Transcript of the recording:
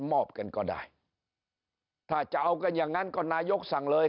มอบกันก็ได้ถ้าจะเอากันอย่างนั้นก็นายกสั่งเลย